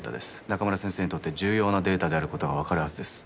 仲村先生にとって重要なデータである事がわかるはずです。